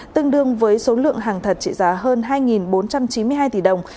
tương đương với số lượng hàng thật trị giá hơn hai bốn trăm chín mươi hai tỷ đồng